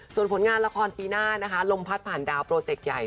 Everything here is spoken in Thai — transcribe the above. ส่วนผลงานละครปีหน้านะคะลมพัดผ่านดาวโปรเจกต์ใหญ่